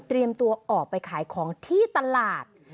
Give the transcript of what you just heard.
เตรียมตัวออกไปขายของที่ตลาด